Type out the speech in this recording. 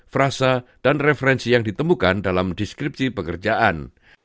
frasa dan referensi yang ditemukan dalam deskripsi pekerjaan